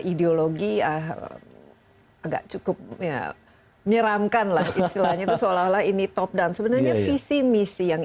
ideologi ya agak cukup menyeramkan lah istilahnya seolah olah ini top down sebenarnya misi misi yang